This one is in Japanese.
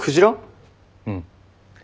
うん。